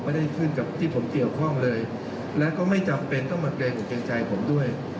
ไม่ได้ขึ้นกับที่ผมเกี่ยวข้องเลยแล้วก็ไม่จำเป็นต้องมาเกรงอกเกรงใจผมด้วย